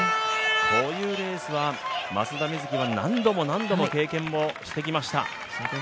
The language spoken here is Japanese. こういうレースは松田瑞生は何度も何度も経験してきました。